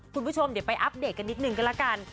คุณผู้ชมเดี๋ยวไปอัปเดตกันนิดนึงก็แล้วกัน